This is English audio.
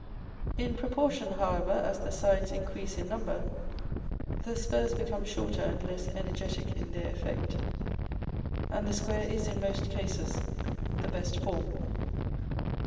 In proportion, however, as the sides increase in number, the spurs become shorter and less energetic in their effect, and the square is in most cases the best form.